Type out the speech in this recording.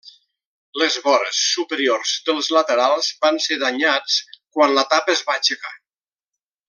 Les vores superiors dels laterals van ser danyats quan la tapa es va aixecar.